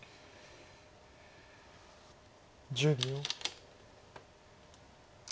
１０秒。